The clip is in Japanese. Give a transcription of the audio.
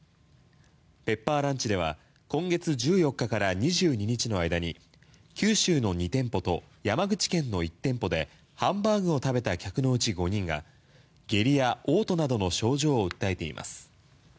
ペッパーランチでは今月１４日から２２日の間に九州の２店舗と山口県の１店舗でハンバーグを食べた客のうち５人が下痢や嘔吐などの症状を訴えています。